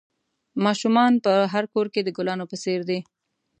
ماشومان په هر کور کې د گلانو په څېر دي.